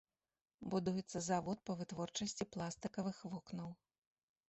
Будуецца завод па вытворчасці пластыкавых вокнаў.